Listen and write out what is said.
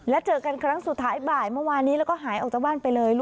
และเจอกันครั้งสุดท้ายบ่ายเมื่อวานนี้แล้วก็หายออกจากบ้านไปเลย